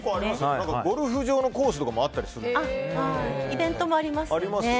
ゴルフ場のコースとかもあったりするんですよね。